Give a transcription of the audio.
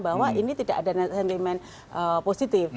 bahwa ini tidak ada sentimen positif